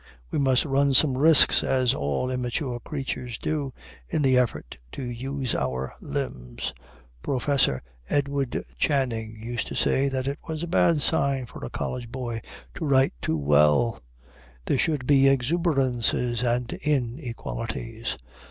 We must run some risks, as all immature creatures do, in the effort to use our own limbs. Professor Edward Channing used to say that it was a bad sign for a college boy to write too well; there should be exuberances and inequalities.